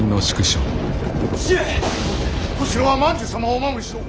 小四郎は万寿様をお守りしろ。